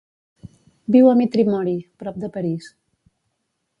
Viu a Mitry-Mory, prop de París.